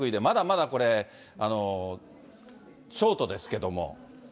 まだまだこれ、ショートですけども。